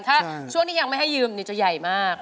ถ้าช่วงที่ยังไม่ให้ยืมจะใหญ่มาก